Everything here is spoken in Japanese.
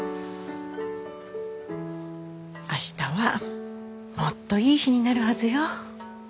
明日はもっといい日になるはずよ。